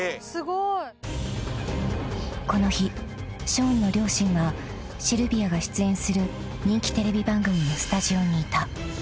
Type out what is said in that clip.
［この日ショーンの両親はシルビアが出演する人気テレビ番組のスタジオにいた］